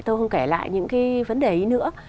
tôi không kể lại những cái vấn đề ý nữa